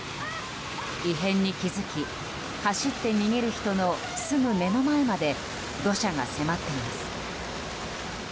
異変に気付き走って逃げる人のすぐ目の前まで土砂が迫っています。